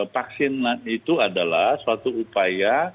vaksin itu adalah suatu upaya